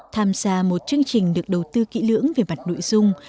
tham gia một chương trình được đầu tư kỹ lưỡng về mặt nội dung